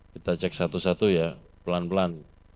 kita cek satu satu ya pelan pelan